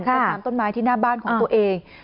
ต้นน้ำต้นไม้ที่หน้าบ้านของตัวเอง